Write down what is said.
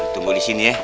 tunggu di sini ya